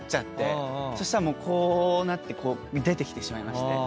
そしたらこうなって出てきてしまいまして。